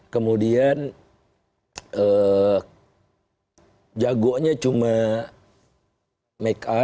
kemudian jagonya cuma make up